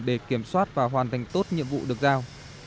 để kiểm soát và hoàn thành tốt nhiệm vụ được giao